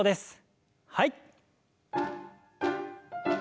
はい。